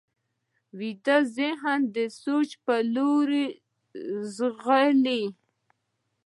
ویده ذهن د سوچ پر لور ځغلي